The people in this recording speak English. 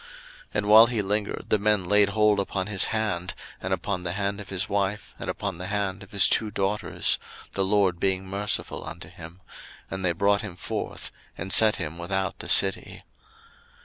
01:019:016 And while he lingered, the men laid hold upon his hand, and upon the hand of his wife, and upon the hand of his two daughters; the LORD being merciful unto him: and they brought him forth, and set him without the city.